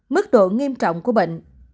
mức độ nghiêm trọng của bệnh